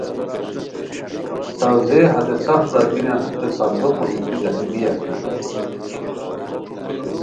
ساؤزئے ہتے سف برار گینیان ہتے صندوقو دیتی گانی بی اسور